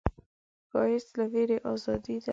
ښایست له ویرې ازادي ده